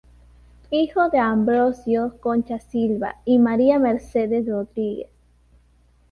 Hijo de Ambrosio Concha Silva y María Mercedes Rodríguez.